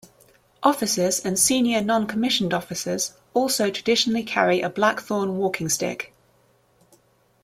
Officers and senior non-commissioned officers also traditionally carry a blackthorn walking stick.